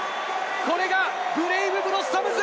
これがブレイブ・ブロッサムズ！